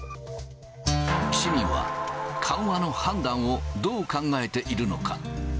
市民は緩和の判断をどう考えているのか。